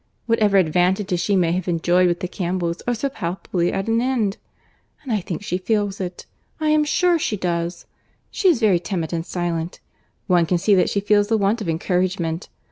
—Whatever advantages she may have enjoyed with the Campbells are so palpably at an end! And I think she feels it. I am sure she does. She is very timid and silent. One can see that she feels the want of encouragement.